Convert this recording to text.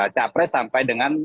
capres sampai dengan